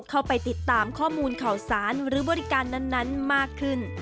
เข้าไปติดตามข้อมูลข่าวสารหรือบริการนั้นมากขึ้น